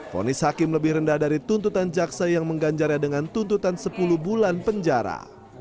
fonis hakim lebih rendah dari tuntutan jaksa yang mengganjarnya dengan tuntutan sepuluh bulan penjara